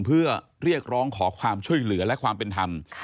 เพื่อเรียกร้องขอความช่วยเหลือและความเป็นธรรม